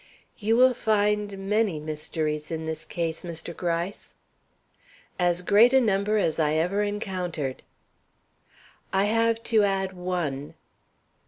"You will find many mysteries in this case, Mr. Gryce." "As great a number as I ever encountered." "I have to add one."